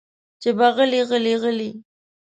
چې به غلې غلې غلې